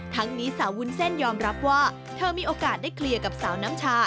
ทั้งนี้สาววุ้นเส้นยอมรับว่าเธอมีโอกาสได้เคลียร์กับสาวน้ำชา